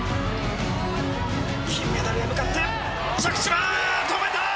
金メダルへ向かって着地は止めた！